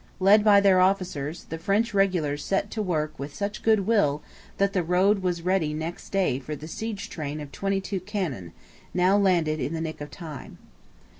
Led by their officers the French regulars set to work with such goodwill that the road was ready next day for the siege train of twenty two cannon, now landed in the nick of time.